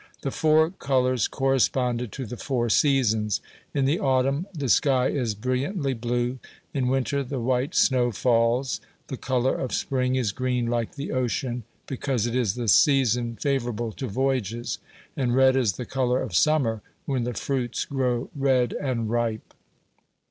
The four colors corresponded to the four seasons. In the autumn the sky is brilliantly blue; in winter the white snow falls; the color of spring is green like the ocean, because it is the season favorable to voyages, and red is the color of summer, when the fruits grow red and ripe.